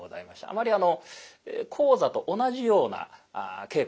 あまりあの高座と同じような稽古じゃないんですね。